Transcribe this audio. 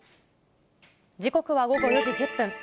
時刻は午後４時１０分。